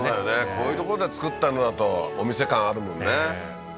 こういう所で作ったのだとお店感あるもんねええ